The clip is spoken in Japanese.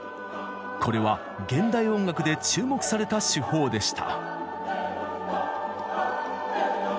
これは現代音楽で注目された手法でした。